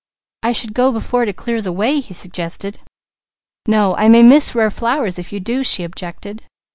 "I should go before to clear the way," he suggested. "No, I may miss rare flowers if you do," she objected.